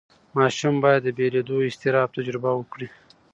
ماشوم باید د بېلېدو اضطراب تجربه وکړي.